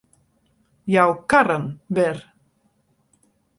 Jou karren wer.